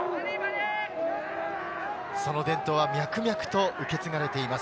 その伝統は脈々と受け継がれています。